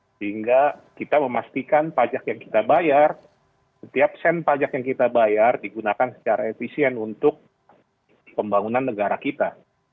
sehingga kita memastikan pajak yang kita bayar setiap sen pajak yang kita bayar digunakan secara efisien untuk pembangunan negara kita